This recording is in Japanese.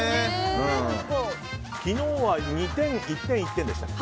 昨日は２点、１点、１点でしたっけ。